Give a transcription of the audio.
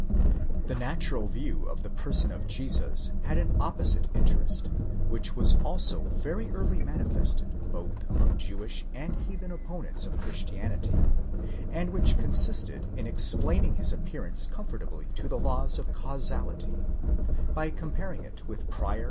The natural view of the person of Jesus had an opposite interest, which was also very early manifested both among Jewish and heathen opponents of Christianity, and which consisted in explaining his appearance conformably to the laws of causality, by comparing it with prior and contemporaneous * As e.